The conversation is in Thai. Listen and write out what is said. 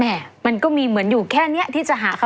มันก็มีเหมือนอยู่แค่นี้ที่จะหาเขา